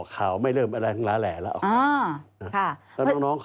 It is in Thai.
แล้วดีเอง